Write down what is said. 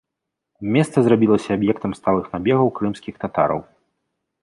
Места зрабілася аб'ектам сталых набегаў крымскіх татараў.